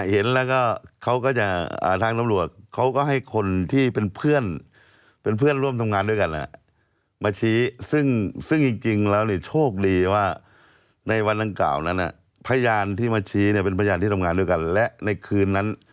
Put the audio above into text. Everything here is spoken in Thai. เห็นแล้วก็เขาก็จะทางตำรวจเขาก็ให้คนที่เป็นเพื่อนเป็นเพื่อนร่วมทำงานด้วยกันมาชี้ซึ่งจริงแล้วเนี่ยโชคดีว่าในวันดังกล่าวนั้นพยานที่มาชี้เนี่ยเป็นพยานที่ทำงานด้วยกันและในคืนนั้น